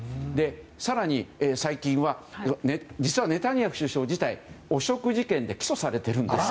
更に、最近はネタニヤフ首相自体汚職事件で起訴されているんです。